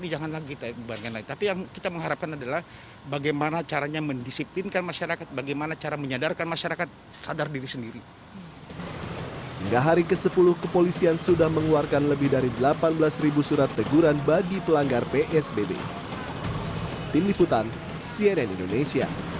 jualan ikan yang lebih berkualitas